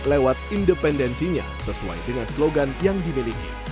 lewat independensinya sesuai dengan slogan yang dimiliki